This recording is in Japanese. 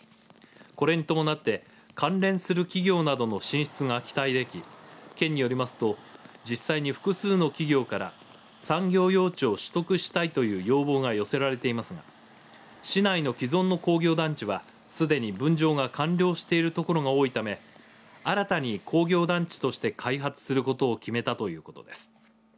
これに伴って関連する企業などの進出が期待でき県によりますと実際に複数の企業から産業用地を取得したいという要望が寄せられていますが市内の既存の工業団地はすでに分譲が完了している所が多いため新たに工業団地として開発することを決めたということです。